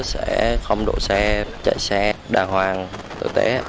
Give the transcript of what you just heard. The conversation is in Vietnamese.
sẽ không đổ xe chạy xe đàng hoàng tử tế